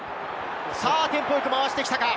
テンポよく回してきたか。